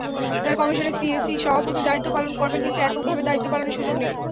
কমিশনে সিইসি সভাপতির দায়িত্ব পালন করবেন কিন্তু এককভাবে দায়িত্ব পালনের সুযোগ নেই।